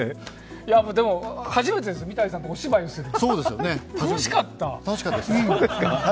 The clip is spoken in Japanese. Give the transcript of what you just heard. でも初めてです三谷さんとお芝居をするの、楽しかった。